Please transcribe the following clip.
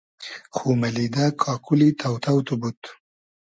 خو مئلیدۂ کاکولی تۆ تۆ تو بود